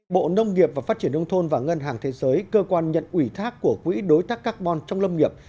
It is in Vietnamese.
bộ nông nghiệp và phát triển nông thôn và ngân hàng thế giới cơ quan nhận ủy thác của quỹ đối tác carbon trong lâm nghiệp